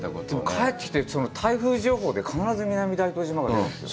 帰ってきて、台風情報で必ず南大東島が出るんですよ。